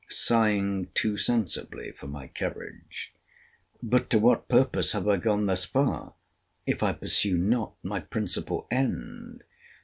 ] sighing too sensibly for my courage. But to what purpose have I gone thus far, if I pursue not my principal end?